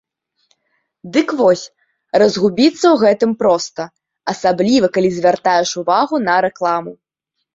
Дык вось, разгубіцца ў гэтым проста, асабліва калі звяртаеш увагу на рэкламу.